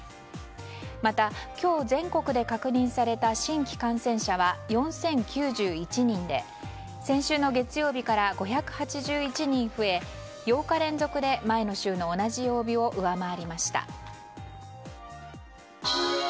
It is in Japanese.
また、今日全国で確認された新規感染者数は４０９１人で先週の月曜日から５８１人増え８日連続で前の週の同じ曜日を上回りました。